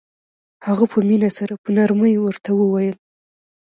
هغه په مينه سره په نرمۍ ورته وويل.